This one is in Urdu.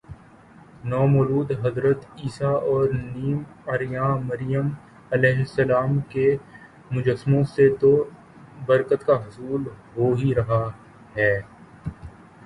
نومولود حضرت عیسی ؑ اور نیم عریاں مریم ؑ کے مجسموں سے تو برکت کا حصول ہو ہی رہا ہے